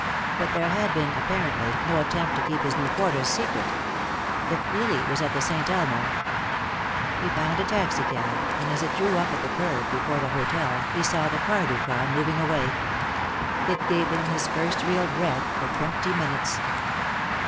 But there had been, apparently, no attempt to keep his new quarters secret. If Lily was at the Saint Elmo He found a taxicab, and as it drew up at the curb before the hotel he saw the Cardew car moving away. It gave him his first real breath for twenty minutes.